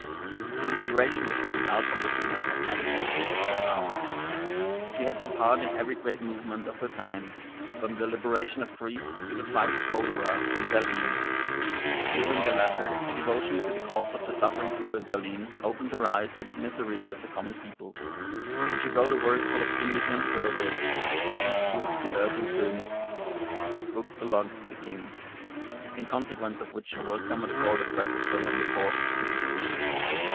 The inspiration which went out from Bettina's magnetic nature was profound. She had her part in every great movement of her time, from the liberation of Greece to the fight with cholera in Berlin. During the latter, her devotion to the cause of the suffering poor in Berlin opened her eyes to the miseries of the common people; and she wrote a work full of indignant fervor, 'Dies Buch gehört dem König' (This Book belongs to the King), in consequence of which her welcome at the court of Frederick William IV. grew cool.